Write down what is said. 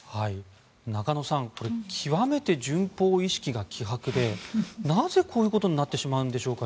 中野さん極めて順法意識が希薄でなぜ、こういうことになってしまうんでしょうか。